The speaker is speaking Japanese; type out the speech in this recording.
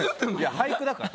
俳句だから。